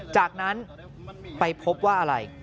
จากนั้นไปพบว่าอะไร